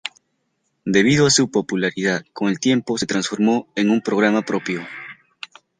Debido a su popularidad, con el tiempo se transformó en un programa propio.